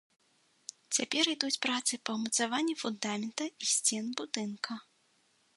Цяпер ідуць працы па ўмацаванні фундамента і сцен будынка.